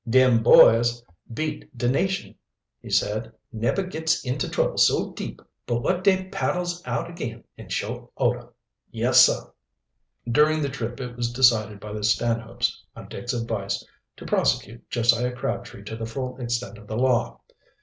"Dem boys beat de nation," he said. "Nebber gits into trouble so deep but wot da paddles out ag'in in short ordah; yes, sah!" During the trip it was decided by the Stanhopes, on Dick's advice, to prosecute Josiah Crabtree to the full extent of the law.